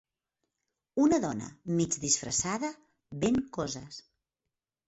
Una dona mig disfressada ven coses.